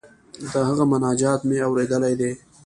د هغه مناجات مو اوریدلی دی.